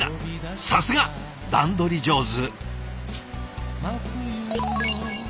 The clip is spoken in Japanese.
さすが段取り上手！